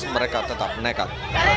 mereka tetap nekat